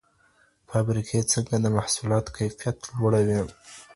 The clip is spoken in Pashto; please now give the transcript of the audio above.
فابریکې څنګه د محصولاتو کیفیت لوړوي؟